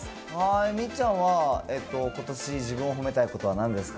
みっちゃんは、ことし、自分を褒めたいことはなんですか？